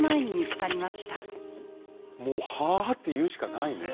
もう「はぁ」って言うしかないね。